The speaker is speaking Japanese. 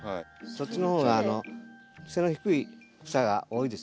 そっちの方が背の低い草が多いですよね。